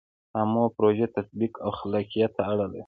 عامه پروژو تطبیق او خلاقیت ته اړ دی.